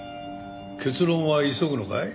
結論は急ぐのかい？